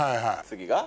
次が？